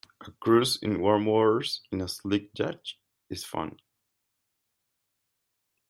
A cruise in warm waters in a sleek yacht is fun.